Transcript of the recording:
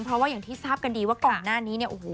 เพราะว่าอย่างที่ทราบกันดีว่าก่อนหน้านี้เนี่ยโอ้โห